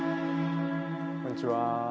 こんにちは。